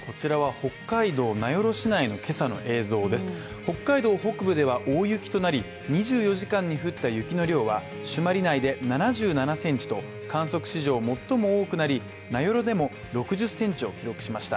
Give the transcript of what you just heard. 北海道北部では大雪となり、２４時間に降った雪の量は、朱鞠内で７７センチと観測史上最も多くなり名寄でも６０センチを記録しました。